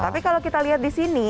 tapi kalau kita lihat di sini